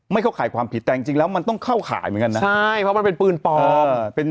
เข้าข่ายความผิดแต่จริงแล้วมันต้องเข้าขายเหมือนกันนะใช่เพราะมันเป็นปืนปลอม